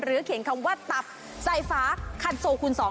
หรือเขียนคำว่าตับไสฟ้าคันโซคูณสอง